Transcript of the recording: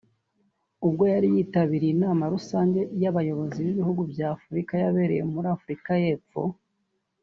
ubwo yari yitabiriye inama rusange y’abayobozi b’ibihugu bya Afurika yabereye muri Afurika y’Epfo